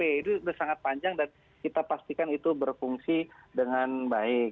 itu sudah sangat panjang dan kita pastikan itu berfungsi dengan baik